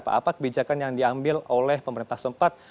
apa kebijakan yang diambil oleh pemerintah sempat